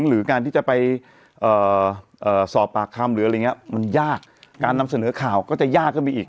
หรือการที่จะไปสอบปากคำมันยากการนำเสนอข่าวก็จะยากขึ้นไปอีก